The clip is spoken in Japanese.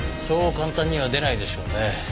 そう簡単には出ないでしょうね。